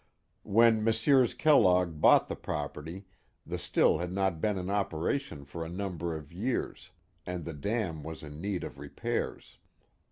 When Messrs. Kellogg bought the property, the still had not been in operation for a number of years, and the dam was in need of repairs.